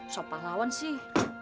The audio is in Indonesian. sopah lawan sih